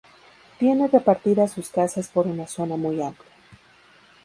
Tiene repartidas sus casas por una zona muy amplia.